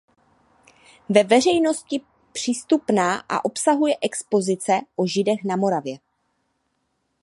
Je veřejnosti přístupná a obsahuje expozice o Židech na Moravě.